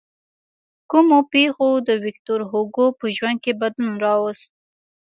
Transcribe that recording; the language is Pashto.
کومو پېښو د ویکتور هوګو په ژوند کې بدلون راوست.